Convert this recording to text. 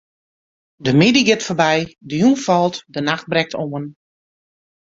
De middei giet foarby, de jûn falt, de nacht brekt oan.